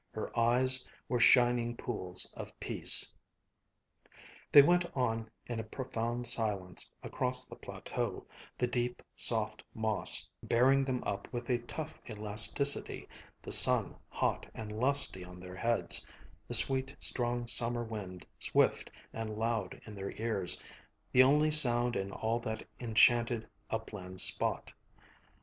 Her eyes were shining pools of peace.... They went on in a profound silence across the plateau, the deep, soft moss bearing them up with a tough elasticity, the sun hot and lusty on their heads, the sweet, strong summer wind swift and loud in their ears, the only sound in all that enchanted upland spot.